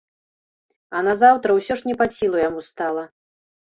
А назаўтра ўсё ж не пад сілу яму стала.